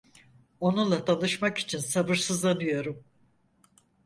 Onunla tanışmak için sabırsızlanıyorum.